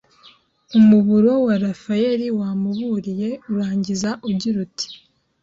umuburo wa Raphael wamuburiye urangiza ugira uti